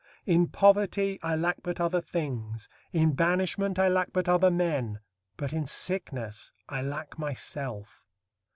In poverty I lack but other things; in banishment I lack but other men; but in sickness I lack myself."